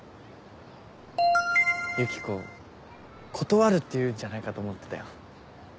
ユキコ断るって言うんじゃないかと思ってたよ。